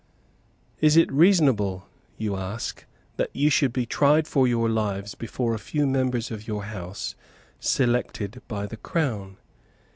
"Is it reasonable, you ask, that you should be tried for your lives before a few members of your House, selected by the Crown?